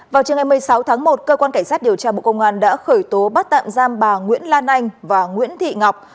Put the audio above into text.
vào chiều ngày một mươi sáu tháng một cơ quan cảnh sát điều tra bộ công an đã khởi tố bắt tạm giam bà nguyễn lan anh và nguyễn thị ngọc